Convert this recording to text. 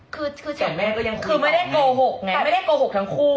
ก็ไม่ได้โกหกไงไม่ได้โกหกทั้งคู่